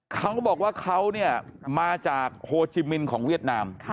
เขาบอกว่าเขาเนี่ยมาจากโฮจิมินของเวียดนาม